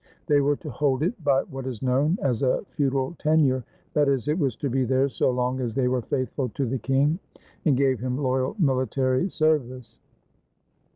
They were to hold it by what is known as a feudal tenure, that is, it was to be theirs so long as they were faithful to the king and gave him loyal military service.